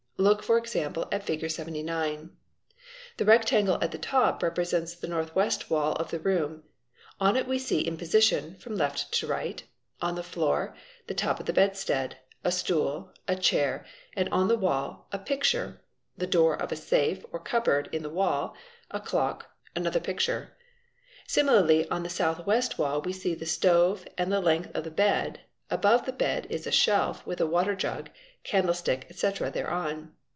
Look for example at Fig. 79. The Yectangle at the top represents the north west wall of the room, on it we see in position, from left to right, on the floor, the top of the bedstead, a stool, a chair, and on the wall, a picture, the door of a safe or cup board in the wall, a clock, another picture. Similarly on the south west wall we see the stove and the length of the bed, above the bed is a shelf with a water jug, candlestick, etc., thereon.